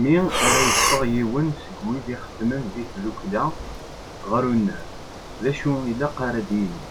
Mi ara yeffeɣ yiwen seg wid ixeddmen di tiddukkla ɣer unnar, d acu i ilaq ad yini.